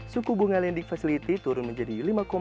suku bunga lending facility turun menjadi lima dua puluh lima